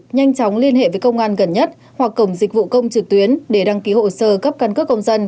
nhanh chóng liên hệ với công an gần nhất hoặc cổng dịch vụ công trực tuyến để đăng ký hộ sơ cấp căn cước công dân